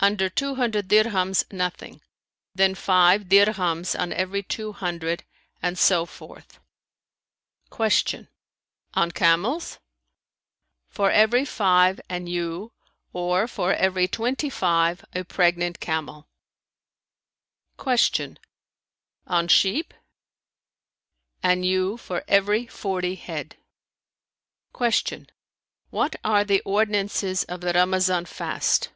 "Under two hundred dirhams nothing, then five dirhams on every two hundred and so forth." Q "On camels?" "For every five, an ewe, or for every twenty five a pregnant camel." Q "On sheep?" "An ewe for every forty head," Q "What are the ordinances of the Ramazan Fast?"